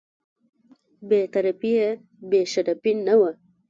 بې طرفي یې بې شرفي نه وه.